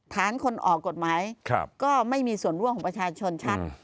คนออกกฎหมายก็ไม่มีส่วนร่วมของประชาชนชัด